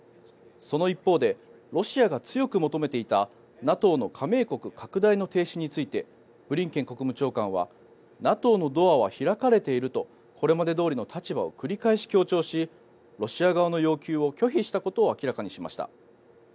その一方でロシアが強く求めていたＮＡＴＯの加盟国の拡大の停止についてブリンケン国務長官はＮＡＴＯのドアは開かれているとこれまでどおりの立場を繰り返し強調しロシア側の要求を拒否したことを明らかにしました。